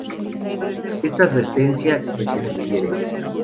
Esta advertencia que te sugiere